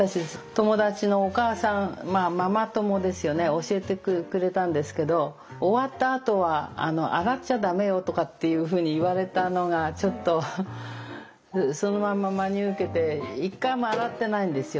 友達のお母さんまあママ友ですよね教えてくれたんですけど終わったあとは洗っちゃだめよとかっていうふうに言われたのがちょっとそのまんま真に受けて一回も洗ってないんですよ